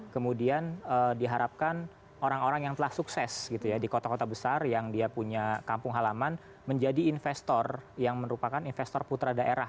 kemudian diharapkan orang orang yang telah sukses gitu ya di kota kota besar yang dia punya kampung halaman menjadi investor yang merupakan investor putra daerah